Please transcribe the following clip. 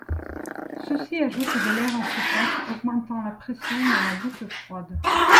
Ceci ajoute de l’air en surface, augmentant la pression dans la goutte froide.